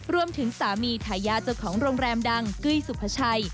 รวมถึงสามีทายาเจ้าของโรงแรมดังกุ้ยสุภาชัย